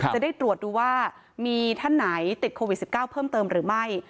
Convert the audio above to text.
จะได้ตรวจดูว่ามีท่านไหนติดโควิด๑๙เพิ่มเติมหรือไม่